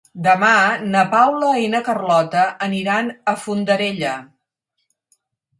Demà na Paula i na Carlota aniran a Fondarella.